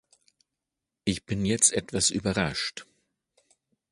Ich bin jetzt etwas überrascht.